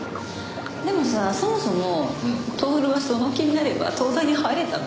でもさそもそも享はその気になれば東大に入れたの？